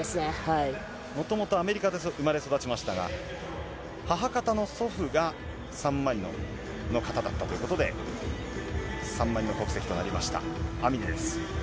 もともとアメリカで生まれ育ちましたが、母方の祖父がサンマリノの方だったということで、サンマリノ国籍となりました、アミネです。